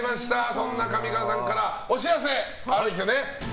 そんな上川さんからお知らせがあるんですよね。